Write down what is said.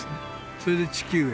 それで地球影。